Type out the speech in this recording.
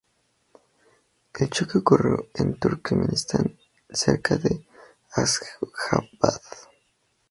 El choque ocurrió en Turkmenistán, cerca de Asjabad.